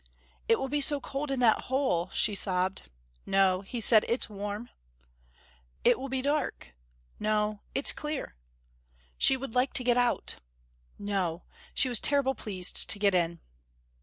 "It will be so cold in that hole," she sobbed. "No," he said, "it's warm." "It will be dark." "No, it's clear." "She would like to get out." "No, she was terrible pleased to get in."